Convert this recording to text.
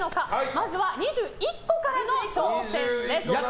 まずは２１個からの挑戦です。